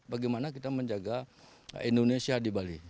bagaimana kita menjaga indonesia di bali